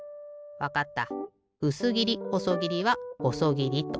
わかった。